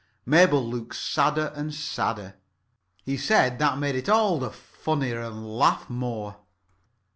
Mabel looked sadder and sadder. He said that made it all the funnier, and laughed more.